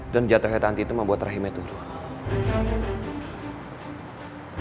dan jatuhnya tanti itu membuat rahimnya tanti terbentuk